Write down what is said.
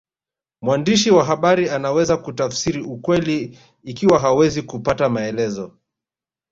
Mwandishi wa habari anaweza kutafsiri ukweli ikiwa hawezi kupata maelezo